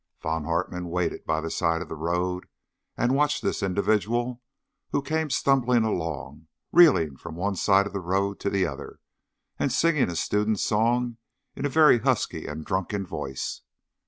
Von Hartmann waited by the side of the road and watched this individual, who came stumbling along, reeling from one side of the road to the other, and singing a student song in a very husky and drunken voice.